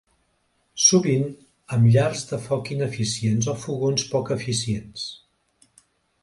Sovint amb llars de foc ineficients o fogons poc eficients.